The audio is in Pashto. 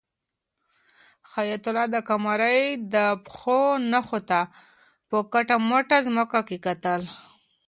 حیات الله د قمرۍ د پښو نښو ته په کټ مټه ځمکه کې کتل.